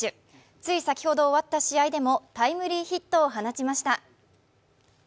つい先ほど終わった試合でもタイムリーヒットを放ちました。